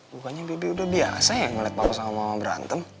bukannya bibi udah biasa ya ngeliat bapak sama mama berantem